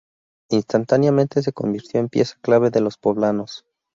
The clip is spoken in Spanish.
Instantáneamente se convirtió en pieza clave de los poblanos.